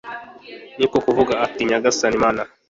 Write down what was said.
ni ko kuvuga ati nyagasani, mana